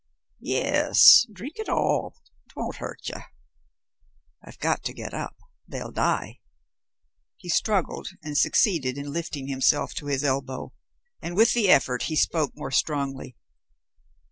"Yes, drink it all. It won't hurt ye." "I've got to get up. They'll die." He struggled and succeeded in lifting himself to his elbow and with the effort he spoke more strongly.